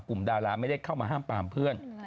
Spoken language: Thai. ดาราไม่ได้เข้ามาห้ามปามเพื่อน